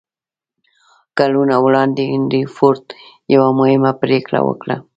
کلونه وړاندې هنري فورډ يوه مهمه پرېکړه وکړه.